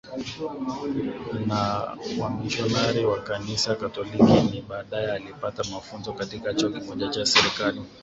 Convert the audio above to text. na wamisionari wa Kanisa Katoliki na baadaye alipata mafunzo katika chuo kimoja cha serikali